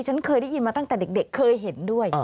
ฉันเคยได้ยินมาตั้งแต่เด็กเคยเห็นด้วย